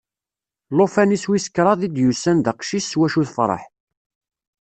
Llufan-is wis kraḍ i d-yusan d aqcic s wacu tefreḥ.